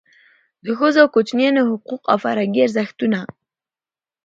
د ښځو او کوچنیانو حقوق او فرهنګي ارزښتونه.